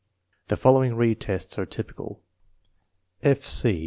1 The following re tests are typical: F. C.